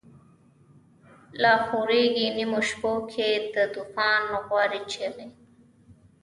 لاخوریږی نیمو شپو کی، دتوفان غاوری چیغی